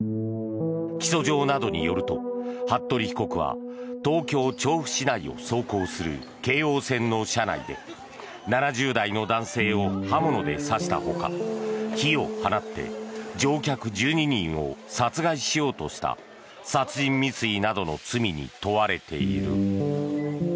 起訴状などによると服部被告は東京・調布市内を走行する京王線の車内で７０代の男性を刃物で刺したほか火を放って乗客１２人を殺害しようとした殺人未遂などの罪に問われている。